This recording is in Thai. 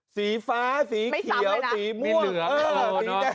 สีฟ้าสีเขียวสีมีเหลือง